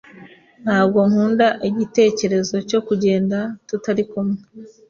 Ntabwo nkunda igitekerezo cyo kugenda tutari kumwe.